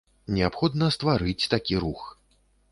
Неабходна стварыць такі рух.